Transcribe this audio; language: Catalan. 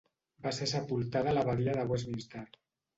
Va ser sepultada a l'abadia de Westminster.